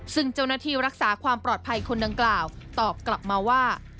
ซึ่งเจ้าหน้าที่รักษาความปลอดภัยคนดังกล่าวตอบกลับมาว่า